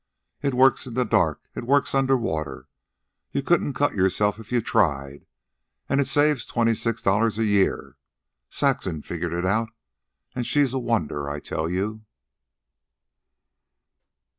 It works in the dark. It works under water. You couldn't cut yourself if you tried. And it saves twenty six dollars a year. Saxon figured it out, and she's a wonder, I tell you."